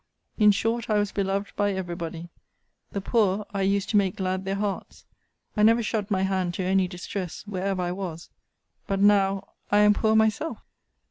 'In short, I was beloved by every body. The poor I used to make glad their hearts: I never shut my hand to any distress, wherever I was but now I am poor myself!